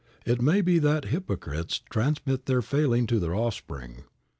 It may be that hypocrites transmit their failing to their offspring.